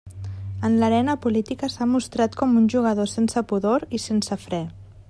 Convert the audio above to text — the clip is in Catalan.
En l'arena política s'ha mostrat com un jugador sense pudor i sense fre.